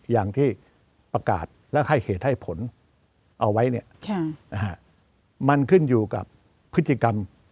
อย่างที่ประกาศแล้วให้เหตุให้ผลเอาไว้มันขึ้นอยู่กับพฤติกรรม